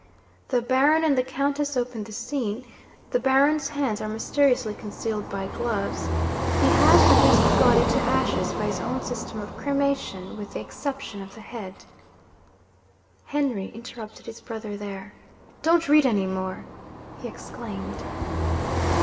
The Baron and the Countess open the scene. The Baron's hands are mysteriously concealed by gloves. He has reduced the body to ashes by his own system of cremation, with the exception of the head ' Henry interrupted his brother there. 'Don't read any more!' he exclaimed.